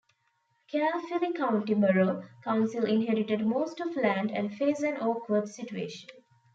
Caerphilly County Borough Council inherited most of land and face an awkward situation.